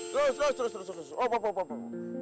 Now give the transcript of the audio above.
terus terus terus oh apa apa